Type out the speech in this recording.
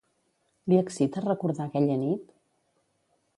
Li excita recordar aquella nit?